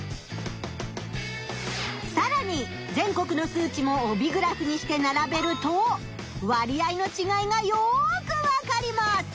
さらに全国の数値も帯グラフにしてならべると割合のちがいがよくわかります！